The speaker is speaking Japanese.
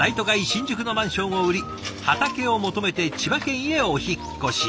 新宿のマンションを売り畑を求めて千葉県へお引っ越し。